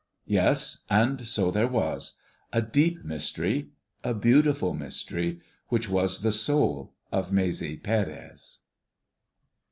Yes, and so there was. A deep mystery, a beautiful mystery, which was the soul of Maese Pérez.